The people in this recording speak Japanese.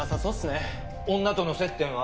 女との接点は？